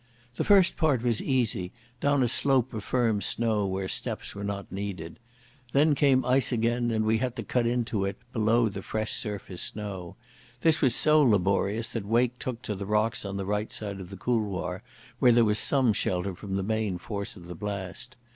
The first part was easy, down a slope of firm snow where steps were not needed. Then came ice again, and we had to cut into it below the fresh surface snow. This was so laborious that Wake took to the rocks on the right side of the couloir, where there was some shelter from the main force of the blast.